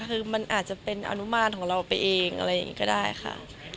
คือมันอาจจะเป็นอนุมานของเราไปเองอะไรอย่างนี้ก็ได้ค่ะ